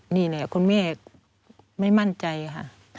นี่แหละคุณแม่ไม่มั่นใจค่ะ